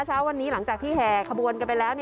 เช้าวันนี้หลังจากที่แห่ขบวนกันไปแล้ว